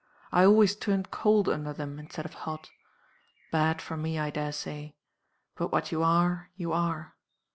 I always turned cold under them instead of hot. Bad for me, I dare say; but what you are you are.